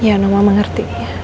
ya noma mengerti